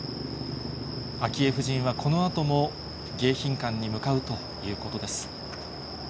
昭恵夫人はこのあとも、迎賓館に向かうということです。